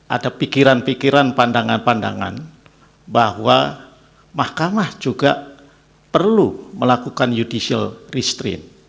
ada pikiran pikiran pandangan pandangan bahwa mahkamah juga perlu melakukan judicial restraint